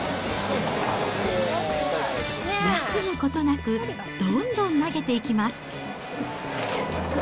休むことなく、どんどん投げていきます。